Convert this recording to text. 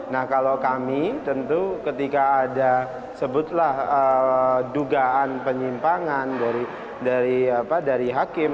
nah kalau kami tentu ketika ada sebutlah dugaan penyimpangan dari hakim